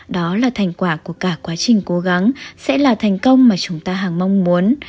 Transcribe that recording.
đó là thành quả của cả quá trình cố gắng sẽ là thành công mà chúng ta hàng mong muốn